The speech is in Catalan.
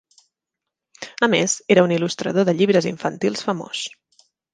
A més, era un il·lustrador de llibres infantils famós.